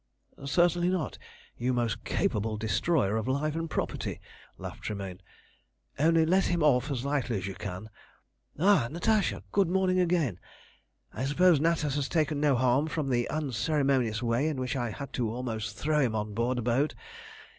"Certainly not, you most capable destroyer of life and property," laughed Tremayne. "Only let him off as lightly as you can. Ah, Natasha! Good morning again! I suppose Natas has taken no harm from the unceremonious way in which I had to almost throw him on board the boat.